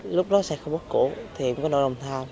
lúc đó xe không có cổ thì em có nội đồng tham